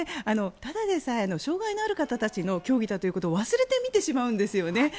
ただでさえ障害のある方の競技だということを忘れて見てしまうんですよね。